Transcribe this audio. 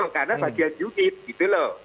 karena bagian yudhit